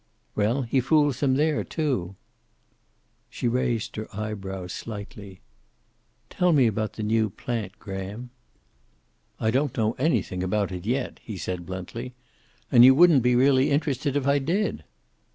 "Well, he fools them there, too." She raised her eyebrows slightly. "Tell me about the new plant, Graham." "I don't know anything about it yet," he said bluntly. "And you wouldn't be really interested if I did."